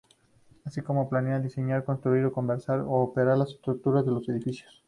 Así como planear, diseñar, construir, conservar y operar las estructuras de los edificios.